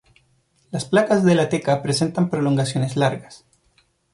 Las placas de la teca presentan prolongaciones largas.